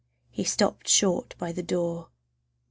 He stopped short by the door.